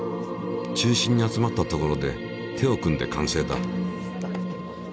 中心に集まったところで手を組んで完成だ。